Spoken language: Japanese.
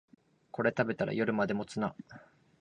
これ食べたら夜まで持つな